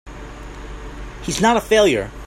He's not a failure!